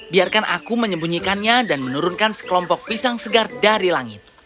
biarkan aku menyembunyikannya dan menurunkan sekelompok pisang segar dari langit